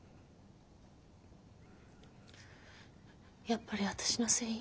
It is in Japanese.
やっぱり私のせい？